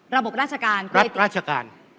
ระบบราชการ